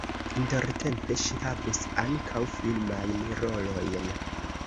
Intertempe ŝi havis ankaŭ filmajn rolojn.